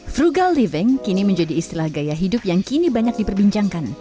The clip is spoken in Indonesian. frugal living kini menjadi istilah gaya hidup yang kini banyak diperbincangkan